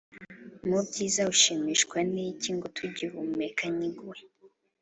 mu byiza ushimishwa n` iki ngo tugihumeka nkiguhe